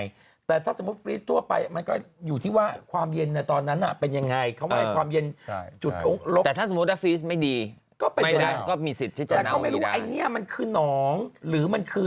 ยังไงยังไงจุดสงสักไม่ดีไม่ได้มีสิทธิจะทำอะไรนะนี่มันคือหนองหรือมันคือ